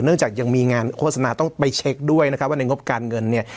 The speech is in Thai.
จากยังมีงานโฆษณาต้องไปเช็คด้วยนะครับว่าในงบการเงินเนี่ย